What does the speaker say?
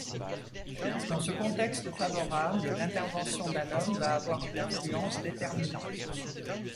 Dans ce contexte favorable, l'intervention d'un homme va avoir une influence déterminante.